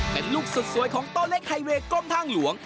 เป็นลูกสวยของตัวเล็กไฮเวย์กล้มทางหลวง